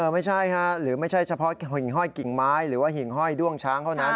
ไม่ใช่หรือไม่ใช่เฉพาะหิ่งห้อยกิ่งไม้หรือว่าหิ่งห้อยด้วงช้างเท่านั้น